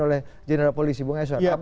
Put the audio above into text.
oleh general polisi bung eswan